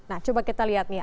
nah coba kita lihat nih